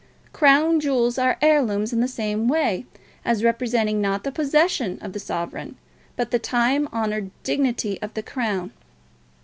Crown jewels are heirlooms in the same way, as representing not the possession of the sovereign, but the time honoured dignity of the Crown.